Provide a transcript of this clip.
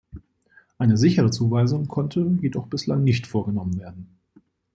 Eine sichere Zuweisung konnte jedoch bislang nicht vorgenommen werden.